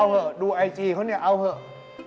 เอ้าเหอะดูไอจีเขานะเอาเฮอะ